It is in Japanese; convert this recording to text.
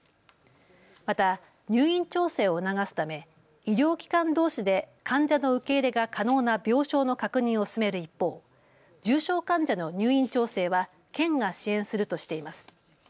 また入院調整を促すため医療機関どうしで患者の受け入れが可能な病床の確認を進める一方、重症患者の入院調整は県が支援するとしています。